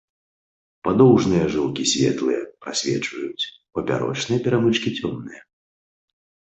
Падоўжныя жылкі светлыя, прасвечваюць, папярочныя перамычкі цёмныя.